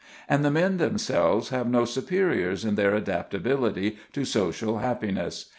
And the men themselves have no superiors in their adaptability to social happiness.